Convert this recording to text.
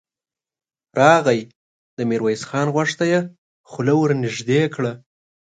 راغی، د ميرويس خان غوږ ته يې خوله ور نږدې کړه.